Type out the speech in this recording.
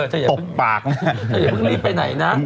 ตบปากมาก